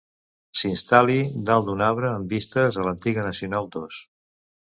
S'instal·li dalt d'un arbre amb vistes a l'antiga nacional dos.